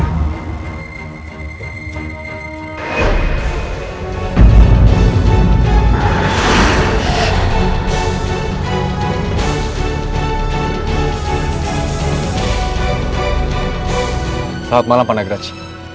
selamat malam pandagraci